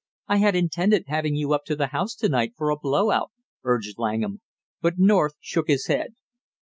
"I had intended having you up to the house to night for a blow out," urged Langham, but North shook his head.